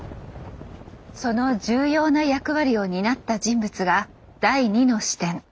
その重要な役割を担った人物が第２の視点。